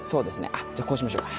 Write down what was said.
あっじゃあこうしましょうか。